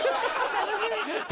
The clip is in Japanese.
楽しみ！